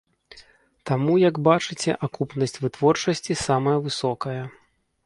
Таму, як бачыце, акупнасць вытворчасці самая высокая.